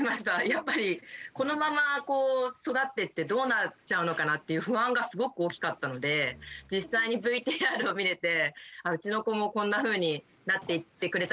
やっぱりこのままこう育ってってどうなっちゃうのかなっていう不安がすごく大きかったので実際にＶＴＲを見れてうちの子もこんなふうになっていってくれたらいいなと思いますし。